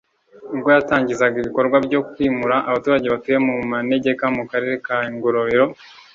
ubwo yatangizaga ibikorwa byo kwimura abaturage batuye mu manegeka mu Karere ka Ngororero